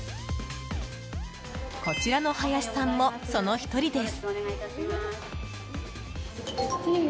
こちらの林さんも、その１人です。